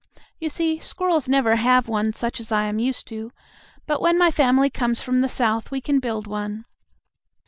You see, squirrels never have one such as I am used to, but when my family comes from the South we can build one.